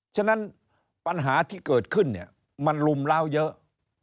ฉะนั้นปัญหาที่เกิดขึ้นเนี่ยมันลุมล้าวเยอะ